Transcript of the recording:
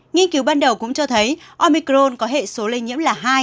nghiên cứu ban đầu cũng cho thấy omicron có hệ số lây nhiễm là hai